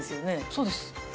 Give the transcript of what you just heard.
そうです。